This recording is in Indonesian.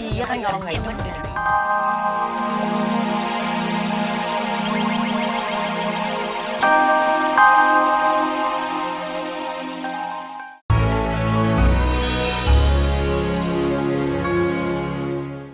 iya kan nggak ada yang nggak hidup